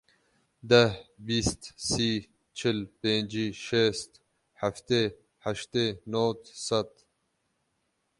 Deh, bîst, sî, çil, pêncî, şêst, heftê, heştê, nod, sed.